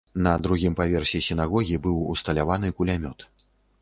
На другім паверсе сінагогі быў усталяваны кулямёт.